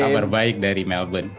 kabar baik dari melbourne